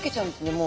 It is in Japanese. もう。